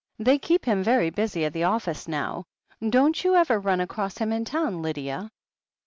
They keep him very busy at the office now. Don't you ever run across him in town, Lydia?"